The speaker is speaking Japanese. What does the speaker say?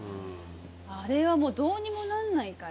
あれはもうどうにもなんないから。